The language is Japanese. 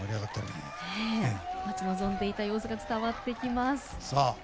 待ち望んでいた様子が伝わります。